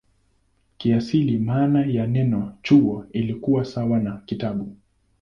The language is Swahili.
Kiasili maana ya neno "chuo" ilikuwa sawa na "kitabu".